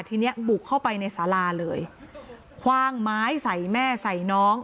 เนี้ยบุกเข้าไปในสาราเลยคว่างไม้ใส่แม่ใส่น้อง